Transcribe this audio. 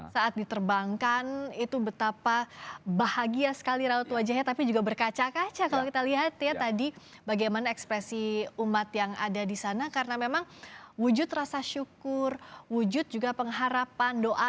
saat diterbangkan itu betapa bahagia sekali raut wajahnya tapi juga berkaca kaca kalau kita lihat ya tadi bagaimana ekspresi umat yang ada di sana karena memang wujud rasa syukur wujud juga pengharapan doa